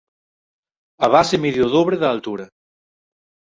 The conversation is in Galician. A base mide o dobre da altura.